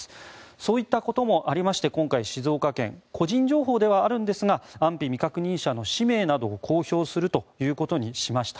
そういったこともありまして今回、静岡県は個人情報ではあるんですが安否未確認者の氏名などを公表することにしました。